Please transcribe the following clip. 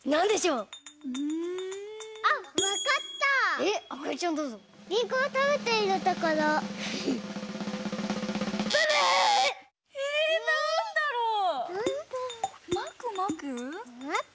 うんなんだろう。